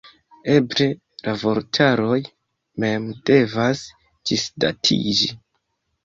Eble la vortaroj mem devas ĝisdatiĝi.